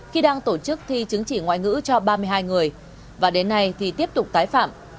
khi đang tổ chức thi chứng chỉ ngoại ngữ cho ba mươi hai người và đến nay thì tiếp tục tái phạm